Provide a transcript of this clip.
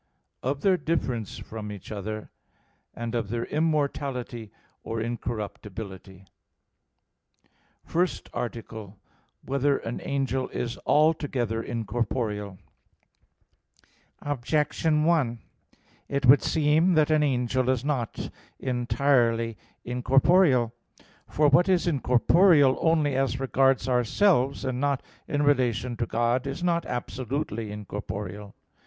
(4) Of their difference from each other. (5) Of their immortality or incorruptibility. _______________________ FIRST ARTICLE [I, Q. 50, Art. 1] Whether an Angel Is Altogether Incorporeal? Objection 1: It would seem that an angel is not entirely incorporeal. For what is incorporeal only as regards ourselves, and not in relation to God, is not absolutely incorporeal.